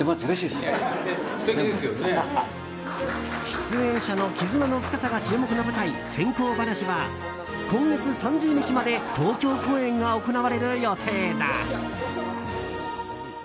出演者の絆の深さが注目の舞台「閃光ばなし」は今月３０日まで東京公演が行われる予定だ。